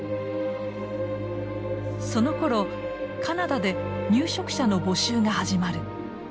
そのころカナダで入植者の募集が始まる。